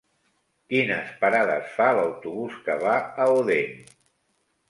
Quines parades fa l'autobús que va a Odèn?